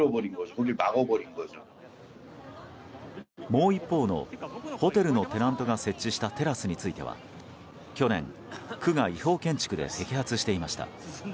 もう一方のホテルのテナントが設置したテラスについては去年、区が違法建築で摘発していました。